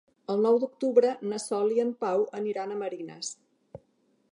El nou d'octubre na Sol i en Pau aniran a Marines.